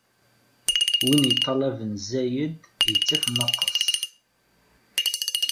Win iṭṭalaben zzayed, ittaf nnaqes.